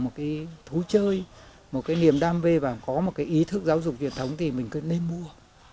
một cái thú chơi một cái niềm đam mê và có một cái ý thức giáo dục truyền thống thì mình cứ nên mua